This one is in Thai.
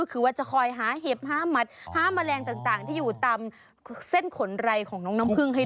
ก็คือว่าจะคอยหาเห็บหาหมัดหาแมลงต่างที่อยู่ตามเส้นขนไรของน้องน้ำพึ่งให้